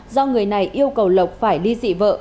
do người này yêu cầu lộc phải đi dị vợ